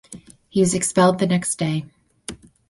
He was expelled the next day.